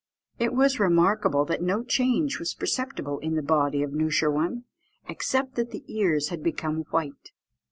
It was remarked that no change was perceptible in the body of Noosheerwân, except that the ears had become white.